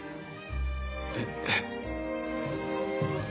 えっ。